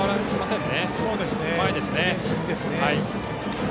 前進ですね。